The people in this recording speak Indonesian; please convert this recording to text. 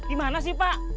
di mana sih pak